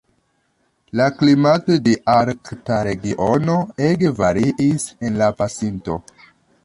La klimato de Arkta regiono ege variis en la pasinto.